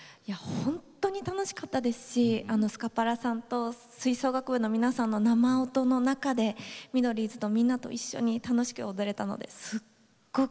本当に楽しかったですしスカパラさんと吹奏楽部の皆さんの生音の中でミドリーズとみんなと一緒に楽しく踊れたのですっごく貴重な時間になりました。